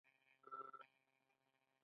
خاوره د ارام مور ده.